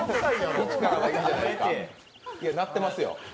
鳴ってますよ。